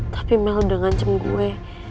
tapi mel udah ngancem gue